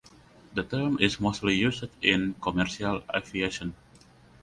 The term is mostly used in commercial aviation.